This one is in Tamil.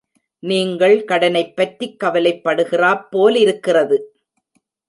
நீங்கள் கடனைப் பற்றிக் கவலைப்படுகிறாப் போலிருக்கிறது.